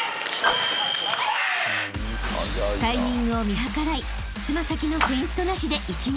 ［タイミングを見計らい爪先のフェイントなしで一撃］